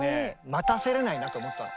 待たせられないなと思ったの。